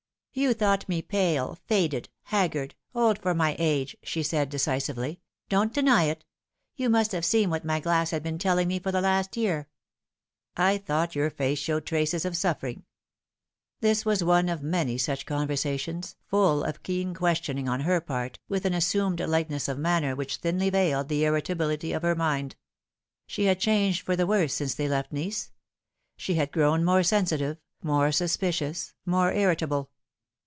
" You thought me pale, faded, haggard, old for my age," she Baid decisively. " Don't deny it. You must have seen what my glass had been telling me for the last year." " I thought your face showed traces of suffering." This was one of many such conversations, full of keen ques tioning on her part, with an assumed lightness of manner which thinly veiled the irritability of her mind. She had changed for the worse since they left Nice ; she had grown more sensitive, more suspicious, more irritable.